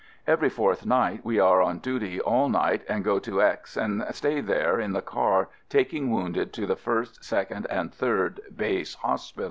Every fourth night we are on duty all night and go to X and stay there in the car taking wounded to the first, second, and third base hospitals.